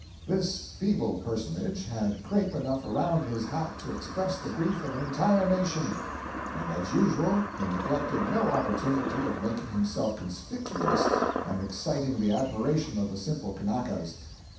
This feeble personage had crape enough around his hat to express the grief of an entire nation, and as usual he neglected no opportunity of making himself conspicuous and exciting the admiration of the simple Kanakas.